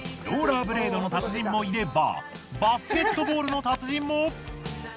ローラーブレードの達人もいればバスケットボールの達人も。